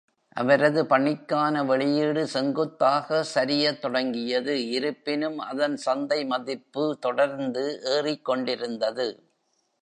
அவரது பணிக்கான வெளியீடு செங்குத்தாக சரிய தொடங்கியது, இருப்பினும் அதன் சந்தை மதிப்பு தொடர்ந்து ஏறிக்கொண்டிருந்தது.